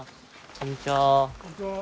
こんにちは。